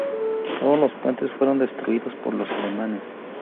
Todos los puentes fueron destruidos por los alemanes.